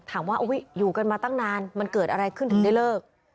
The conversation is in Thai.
ถามว่าอยู่กันมาตั้งนานมันเกิดอะไรขึ้นถึงได้เลิก